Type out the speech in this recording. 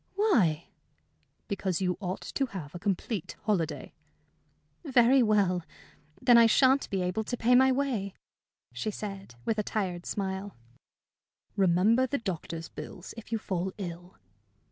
"Why?" "Because you ought to have a complete holiday." "Very well. Then I sha'n't be able to pay my way," she said, with a tired smile. "Remember the doctor's bills if you fall ill."